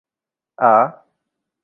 ئا.